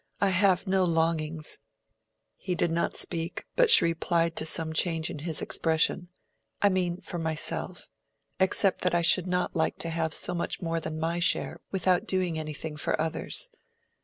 "I have no longings." He did not speak, but she replied to some change in his expression. "I mean, for myself. Except that I should like not to have so much more than my share without doing anything for others.